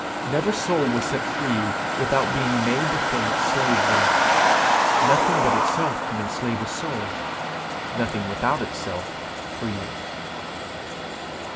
Never soul was set free without being made to feel its slavery; nothing but itself can enslave a soul, nothing without itself free it.